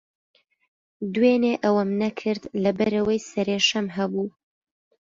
دوێنێ ئەوەم نەکرد، لەبەرەوەی سەرێشەم ھەبوو.